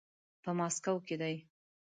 په ماسکو کې دی.